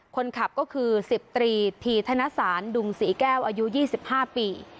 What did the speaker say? คนขับก็คือ๑๐ตรีธีธนสารดุงศรีแก้วอายุ๒๕ปี